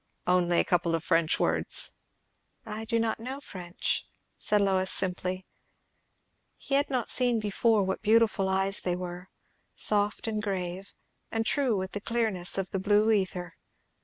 "Only a couple of French words." "I do not know French," said Lois simply. He had not seen before what beautiful eyes they were; soft and grave, and true with the clearness of the blue ether.